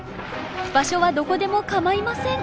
場所はどこでも構いません。